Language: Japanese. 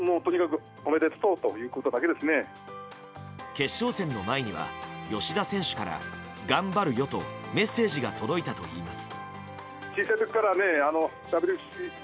決勝戦の前には、吉田選手から頑張るよとメッセージが届いたといいます。